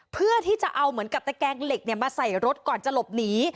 เพื่อที่จะเอาเหมือนกับตะแกงเหล็กมาใส่รถก่อนจะหลบหนี